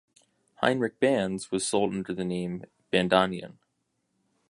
Heinrich Band's was sold under the name "Bandonion".